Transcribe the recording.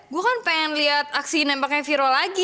gue kan pengen liat aksi nempaknya viro lagi